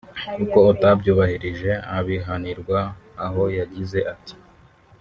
kuko utabyubahirije abihanirwa aho yagize ati